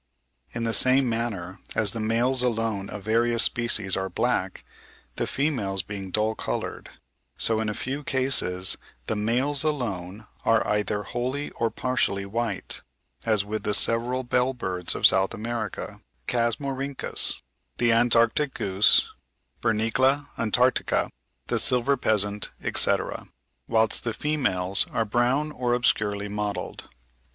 In the same manner, as the males alone of various species are black, the females being dull coloured; so in a few cases the males alone are either wholly or partially white, as with the several bell birds of South America (Chasmorhynchus), the Antarctic goose (Bernicla antarctica), the silver pheasant, etc., whilst the females are brown or obscurely mottled.